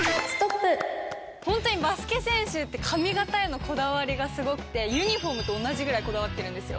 本当にバスケ選手って髪形へのこだわりがすごくて、ユニホームと同じぐらいこだわってるんですよ。